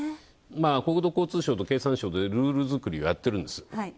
国土交通省と経産省でルール作りをやってるんです。